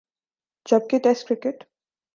جب کہ test cricket